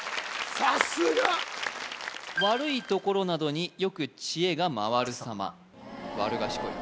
さすが悪いところなどによく知恵がまわるさまわるがしこい